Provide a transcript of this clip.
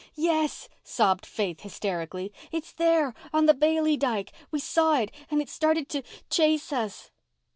"Yes," sobbed Faith hysterically. "It's there—on the Bailey dyke—we saw it—and it started to—chase us."